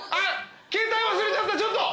携帯忘れちゃった！